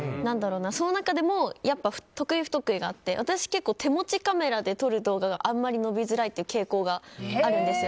その中でも得意不得意があって私は手持ちカメラで撮る動画があまり伸びづらいという傾向があるんです。